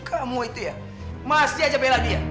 kamu itu ya pasti aja bela dia